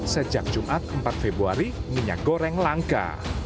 sejak jumat empat februari minyak goreng langka